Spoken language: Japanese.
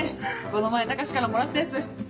この前高志からもらったやつ。